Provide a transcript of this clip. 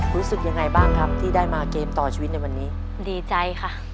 รู้สึกยังไงบ้างครับที่ได้มาเกมต่อชีวิตในวันนี้ดีใจค่ะ